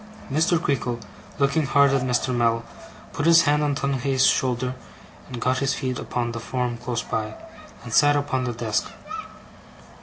Mr. Creakle, looking hard at Mr. Mell, put his hand on Tungay's shoulder, and got his feet upon the form close by, and sat upon the desk.